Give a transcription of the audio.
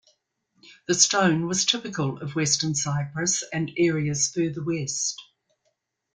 The stone was typical of western Cyprus and areas further west.